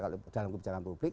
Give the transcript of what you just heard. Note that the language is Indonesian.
kalau dalam kebijakan publik